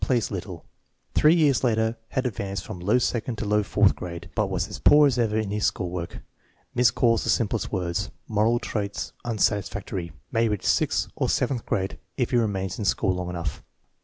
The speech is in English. Plays little. Throe years later had advanced from low second to low fourth grade, but was as poor as ever in his school work. "Miscalls the simplest, words." Moral traits unsatisfactory. May reach sixth or seventh grade if he remains in sch<x>l long enough.